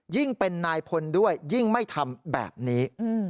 ยิ่งเป็นนายพลด้วยยิ่งไม่ทำแบบนี้